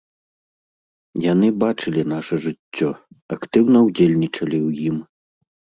Яны бачылі наша жыццё, актыўна ўдзельнічалі ў ім.